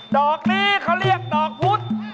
ดอกนี้เขาเรียกดอกพุธ